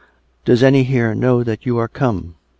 " Does any here know that you are come.